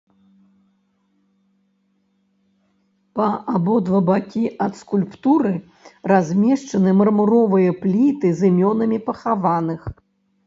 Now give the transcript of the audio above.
Па абодва бакі ад скульптуры размешчаны мармуровыя пліты з імёнамі пахаваных.